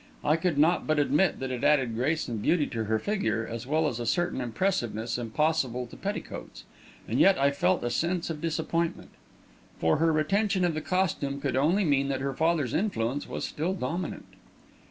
I could not but admit that it added grace and beauty to her figure, as well as a certain impressiveness impossible to petticoats; and yet I felt a sense of disappointment. For her retention of the costume could only mean that her father's influence was still dominant.